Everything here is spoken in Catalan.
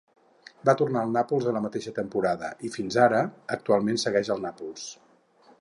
Va tornar al Nàpols a la mateixa temporada i fins ara, actualment segueix al Nàpols.